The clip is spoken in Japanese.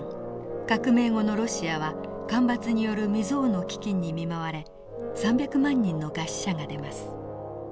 革命後のロシアは干ばつによる未曽有の飢きんに見舞われ３００万人の餓死者が出ます。